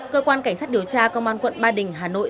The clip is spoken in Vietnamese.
cơ quan cảnh sát điều tra công an quận ba đình hà nội